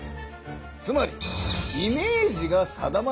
つまりイメージが定まらない。